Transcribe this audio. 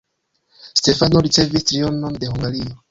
Stefano ricevis trionon de Hungario.